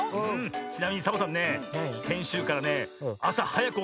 ちなみにサボさんねせんしゅうからねあさはやくおきてね